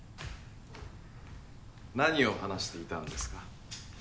何を話していたんですか？